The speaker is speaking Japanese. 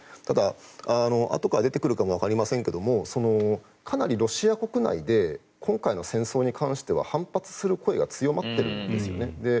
ただ、あとから出てくるかもわかりませんがかなりロシア国内で今回の戦争に関しては反発する声が強まっているんですよね。